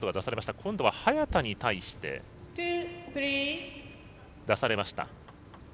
今度は早田に対して出されました。